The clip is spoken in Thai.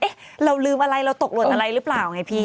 เราลืมอะไรเราตกหล่นอะไรหรือเปล่าไงพี่